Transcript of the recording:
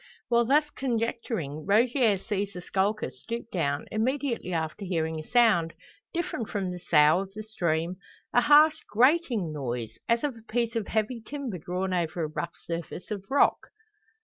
While thus conjecturing, Rogier sees the skulker stoop down, immediately after hearing a sound, different from the sough of the stream; a harsh grating noise, as of a piece of heavy timber drawn over a rough surface of rock.